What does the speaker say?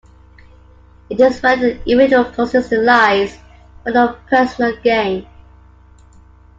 It is when an individual consistently lies for no personal gain.